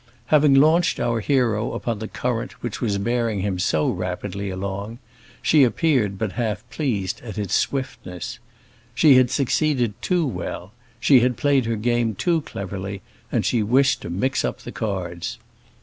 Having launched our hero upon the current which was bearing him so rapidly along, she appeared but half pleased at its swiftness. She had succeeded too well; she had played her game too cleverly and she wished to mix up the cards.